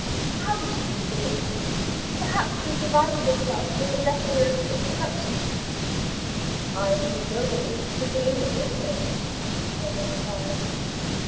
"How did you succeed? Perhaps you provided yourself with a letter of introduction?" "I knew nobody who could introduce me," Alban replied.